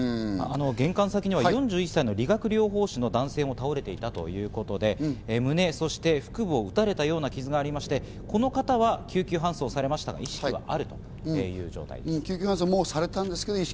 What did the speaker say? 玄関先には４１歳の理学療法士の男性も倒れていたということで胸、そして腹部を撃たれたような傷がありまして、この方は救急搬送されましたが意識はあるという状態です。